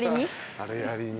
あれやりに。